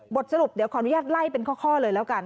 บทสรุปเดี๋ยวขออนุญาตไล่เป็นข้อเลยแล้วกัน